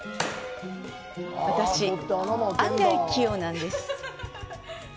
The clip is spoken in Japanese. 私、案外器用なんです。